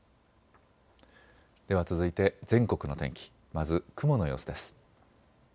では続いて全国の天気、まず雲の様子です。